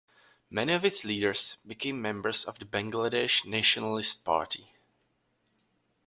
Many of its leaders became members of the Bangladesh Nationalist Party.